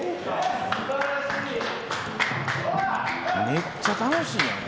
めっちゃ楽しいやん。